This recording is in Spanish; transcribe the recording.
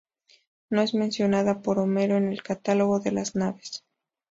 No es mencionada por Homero en el "Catálogo de las naves".